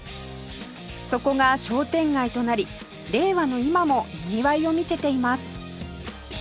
そこが商店街となり令和の今もにぎわいを見せています